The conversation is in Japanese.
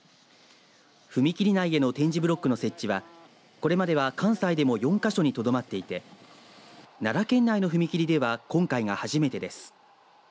踏切内への点字ブロックの設置はこれまでは関西でも４か所にとどまっていて奈良県内の踏切では今回が初めてです。